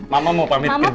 mama mau pamit kerja